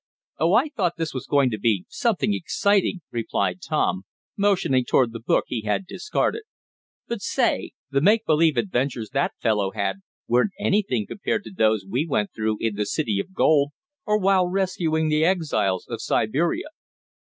"Oh, I thought this was going to be something exciting," replied Tom, motioning toward the book he had discarded. "But say! the make believe adventures that fellow had, weren't anything compared to those we went through in the city of gold, or while rescuing the exiles of Siberia."